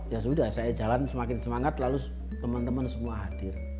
ya sudah saya jalan semakin semangat lalu teman teman semua hadir